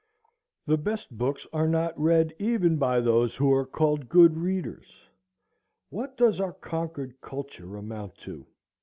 The best books are not read even by those who are called good readers. What does our Concord culture amount to?